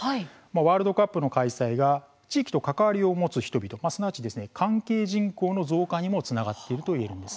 ワールドカップの開催が地域と関わりを持つ人々すなわち、関係人口の増加にもつながっているといえると思うんです。